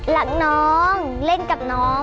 หลังน้องเล่นกับน้อง